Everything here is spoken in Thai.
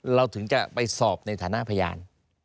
เราถึงจะไปสอบในฐานะพยาน